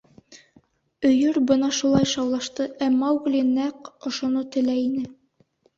— Өйөр бына шулай шаулашты, ә Маугли нәҡ ошоно теләй ине.